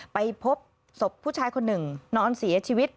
ไปพบศพผู้ชายคนหนึ่งนอนเสียชีวิต